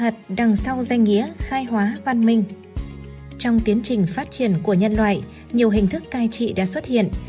chủ nghĩa thực dân